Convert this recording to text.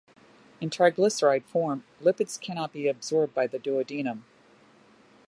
In triglyceride form, lipids cannot be absorbed by the duodenum.